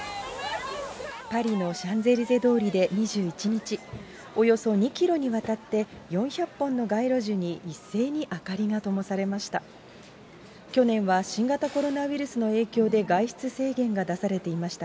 パリのシャンゼリゼ通りで２１日、およそ２キロにわたって４００本の街路樹に、一斉に明かりがともされました。